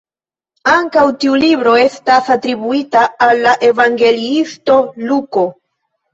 Ankaŭ tiu libro estas atribuita al la evangeliisto Luko.